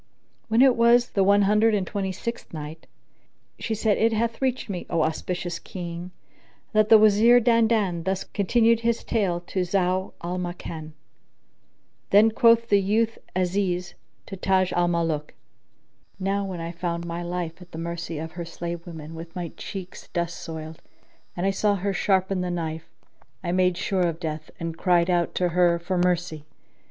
When it was the One Hundred and Twenty sixth Night, She said, It hath reached me, O auspicious King, that the Wazir Dandan thus continued his tale to Zau al Makan: Then quoth the youth Aziz to Taj al Muluk, Now when I found my life at the mercy of her slave women with my cheeks dust soiled, and I saw her sharpen the knife, I made sure of death and cried out to her for mercy.